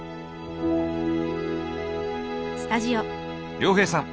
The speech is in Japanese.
亮平さん。